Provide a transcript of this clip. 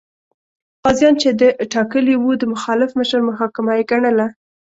قاضیان چې ده ټاکلي وو، د مخالف مشر محاکمه یې ګڼله.